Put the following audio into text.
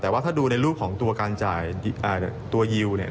แต่ว่าถ้าดูในรูปของตัวการจ่ายตัวยิวเนี่ย